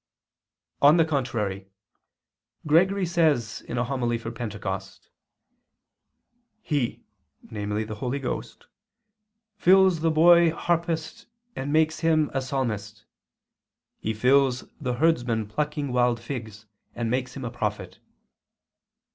On the contrary, Gregory says in a homily for Pentecost (xxx in Ev.): "He," namely the Holy Ghost, "fills the boy harpist and makes him a Psalmist; He fills the herdsman plucking wild figs, and makes him a prophet."